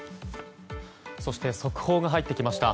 そして速報が入ってきました。